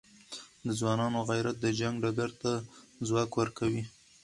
د ځوانانو غیرت د جنګ ډګر ته ځواک ورکوي.